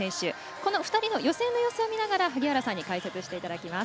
この２人の予選の様子を見ながら萩原さんに解説していただきます。